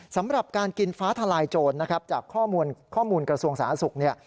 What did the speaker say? สำหรับการกินฟ้าทลายโจรนะครับจากข้อมูลกระทรวงสาธารณสุขเนี่ย